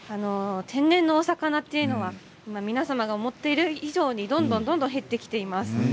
天然のお魚というのは皆さんが思っている以上にどんどん減ってきています。